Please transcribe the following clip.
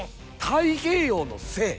太平洋の精！？